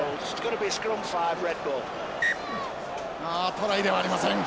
トライではありません。